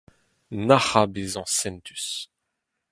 Nac'hañ bezañ sentus.